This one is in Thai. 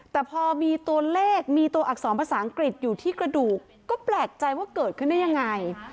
แต่พอมีตัวเลขมีตัวอักษรภาษาอังกฤษอยู่ที่กระดูกก็แปลกใจว่าเกิดขึ้นได้ยังไง